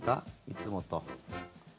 いつもと。